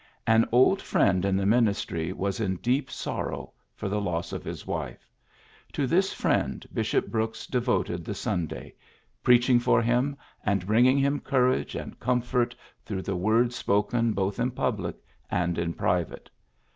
An old friend in the ministry was in deep sor row for the loss of his wife. To this friend Bishop Brooks devoted the Sun day, preaching for him, and bringing him courage and comfort through the words spoken both in public and in private.